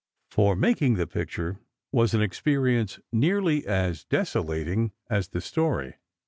For making the picture was an experience nearly as desolating as the story.